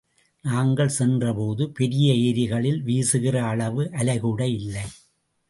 நாங்கள் சென்றபோது பெரிய ஏரிகளில் வீசுகிற அளவு அலைகூட இல்லை.